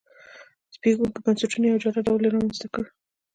د زبېښونکو بنسټونو یو جلا ډول یې رامنځته کړ.